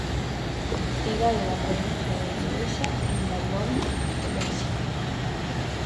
Cidade da provincia de Liexa, en Valonia, Bélxica.